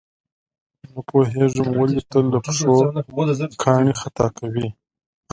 نه پوهېږم ولې تل له پښو کاڼي خطا کوي.